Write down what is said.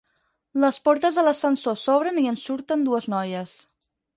Les portes de l'ascensor s'obren i en surten dues noies.